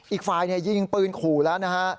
อีกฝ่ายยิงปืนขู่แล้วนะฮะ